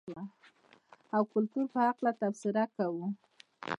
او کلتور په حقله تبصره کوو.